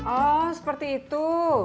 oh seperti itu